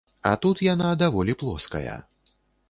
А тут яна даволі плоская.